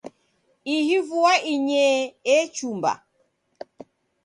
Ihi vua inyee echumba.